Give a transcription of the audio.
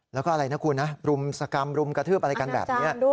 แล้วก็อะไรนะคุณนะรุมสกรรมรุมกระทืบอะไรกันแบบนี้